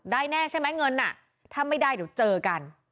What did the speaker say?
แน่ใช่ไหมเงินน่ะถ้าไม่ได้เดี๋ยวเจอกัน